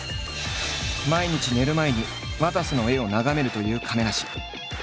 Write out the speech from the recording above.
毎日寝る前にわたせの絵を眺めるという亀梨。